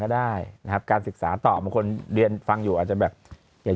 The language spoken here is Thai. ได้นะครับการศึกษาต่อบางคนเรียนฟังอยู่อาจจะแบบเห็น